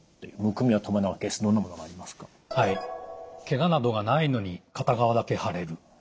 ケガなどがないのに片側だけ腫れる。